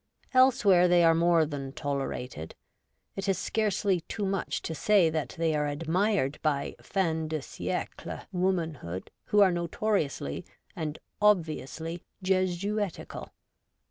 Elsewhere they are more than tolerated ; it is scarcely too much to say that they are admired by fin de siecle woman hood, who are notoriously and obviously Jesuitical.